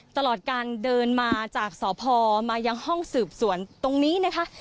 ตลอดการเดินมาจากสพมายังห้องสืบสวนตรงนี้นะคะ